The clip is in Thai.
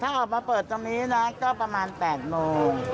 ถ้าออกมาเปิดตรงนี้นะก็ประมาณ๘โมง